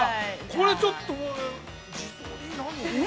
これ、ちょっと、何。